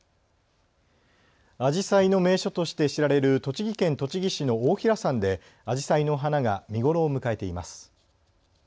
あじさいの名所として知られる栃木県栃木市の太平山であじさいの花が見頃を迎えています。